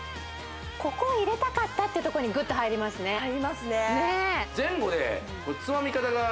ここ入れたかったってとこにグッと入りますね入りますねねえ